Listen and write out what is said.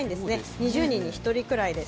２０人に１人くらいです。